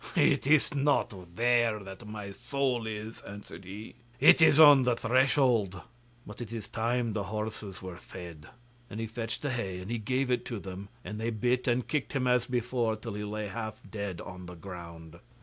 'It is not there that my soul is,' answered he, 'it is on the threshold. But it is time the horses were fed;' and he fetched the hay, and gave it to them, and they bit and kicked him as before, till he lay half dead on the ground.